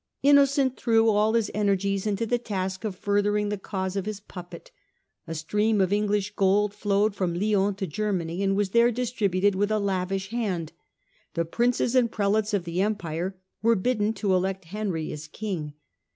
Innocent threw all his energies into the task of further ing the cause of his puppet. A stream of English gold flowed from Lyons to Germany and was there distributed with a lavish hand. The Princes and Prelates of the Empire were bidden to elect Henry as King.